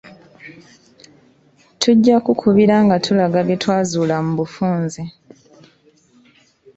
Tujja kukubira nga tulaga bye twazuula mu bufunze.